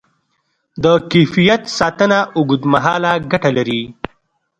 د کیفیت ساتنه اوږدمهاله ګټه لري.